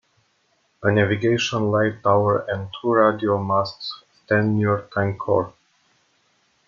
A navigation light tower and two radio masts stand near Tangkore.